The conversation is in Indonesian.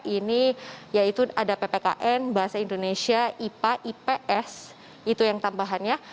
ini yaitu ada ppkm bahasa indonesia ipa ips itu yang tambahannya